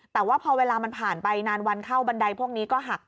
แต่ว่าพอเวลามันผ่านไปนานวันเข้าบันไดพวกนี้ก็หัก